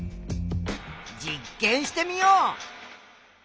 実験してみよう。